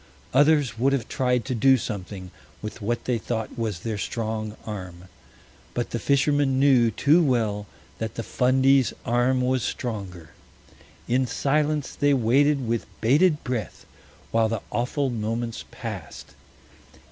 Others would have tried to do something with what they thought was their strong arm. But the fishermen knew too well that the Fundy's arm was stronger. In silence they waited with bated breath while the awful moments passed.